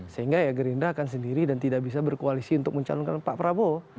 sehingga ya gerindra akan sendiri dan tidak bisa berkoalisi untuk mencalonkan pak prabowo